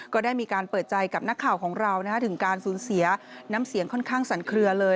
ก็ได้มีการเปิดใจกับนักข่าวของเราถึงการสูญเสียน้ำเสียงค่อนข้างสันเคลือเลย